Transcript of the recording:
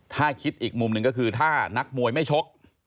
ถ้าคิดอีกมุมหนึ่งก็คือถ้านักมวยไม่ชก